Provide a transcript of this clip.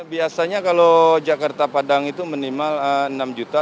biasanya kalau jakarta padang itu minimal enam juta